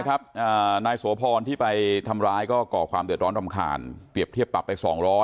โกรธิใจว่าความกันเนาะ